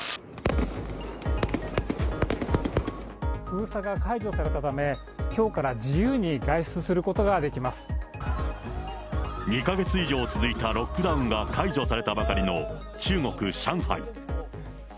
封鎖が解除されたため、きょうから自由に外出することができ２か月以上続いたロックダウンが解除されたばかりの中国・上海。